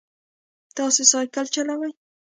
تاسو سایکل چلوئ؟